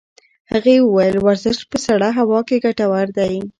هغې وویل ورزش په سړه هوا کې ګټور دی.